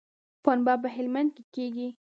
پنبه په هلمند کې کیږي